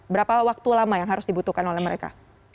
berapa waktu lama yang harus dibutuhkan oleh mereka